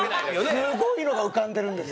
すごいのが浮かんでるんです。